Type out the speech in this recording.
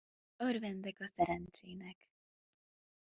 Örvendek a szerencsének.